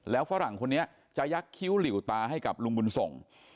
แล้วฝรั่งคนนี้จะยักษ์คิ้วหลิวตาให้กับลุงบุญส่ง